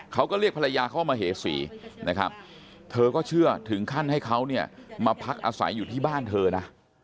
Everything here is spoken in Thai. เขาก็เรียกภรรยาเข้ามาเหสีนะครับเธอก็เชื่อถึงขั้นให้เขาเนี่ยมาพักอาศัยอยู่ที่บ้านเธอนะ